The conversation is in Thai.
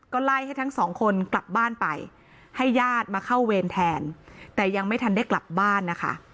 ก็ไล่ให้ทั้งสองคนกลับบ้านไปให้ญาติมาเข้าเวรแทนแต่ยังไม่ทันได้กลับบ้านนะคะ